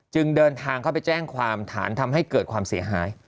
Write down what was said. จึงเดินทางเข้าไปแจ้งความฐานทำให้เกิดความเสียหาย